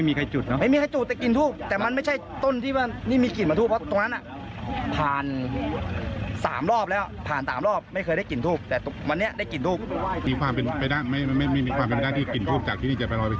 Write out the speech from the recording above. มีความเป็นไปได้ไม่มีความเป็นไปได้ที่กลิ่นทูบจากที่นี่จะไปร้อยไปขึ้น